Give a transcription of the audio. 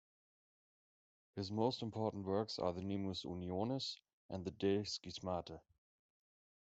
His most important works are the "Nemus unionis" and the "De schismate".